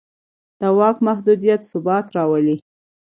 د واک محدودیت ثبات راولي